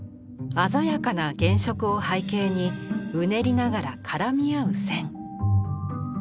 鮮やかな原色を背景にうねりながら絡み合う線。